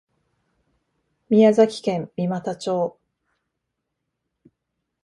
宮崎県三股町